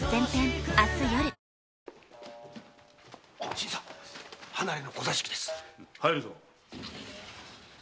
新さん離れの小座敷です。